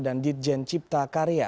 dan ditjen cipta karya